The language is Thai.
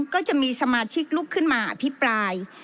ก็จะมีสมาชิกลุกขึ้นมาอภิปราย